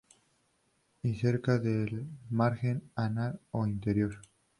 Y cerca del margen anal o interno.